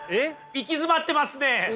行き詰まってますね。